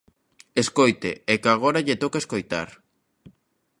Escoite, é que agora lle toca escoitar.